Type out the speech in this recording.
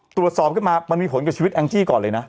ตรวจสอบขึ้นมามันมีผลกับชีวิตแองจี้ก่อนเลยนะ